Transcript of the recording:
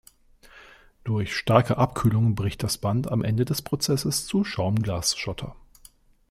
Durch starke Abkühlung bricht das Band am Ende des Prozesses zu Schaumglas-Schotter.